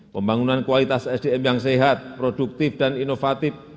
pembangunan kualitas sdm yang sehat produktif dan inovatif